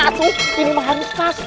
itu ini mah harus pas